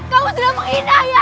kamu sudah menghina ayah